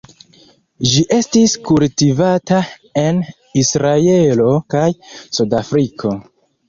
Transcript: Ĝi estis kultivata en Israelo kaj Sudafriko.